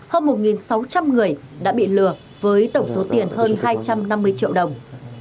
hơn một sáu trăm linh người đã bị lừa với tổng số tiền hơn hai trăm năm mươi triệu đồng